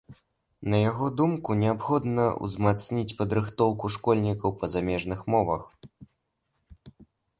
На яго думку, неабходна ўзмацніць падрыхтоўку школьнікаў па замежных мовах.